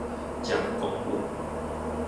蔣公路